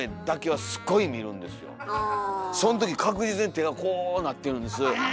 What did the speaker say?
そん時確実に手がこうなってるんです。